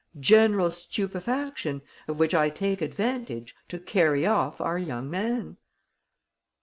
General stupefaction ... of which I take advantage to carry off our young man!"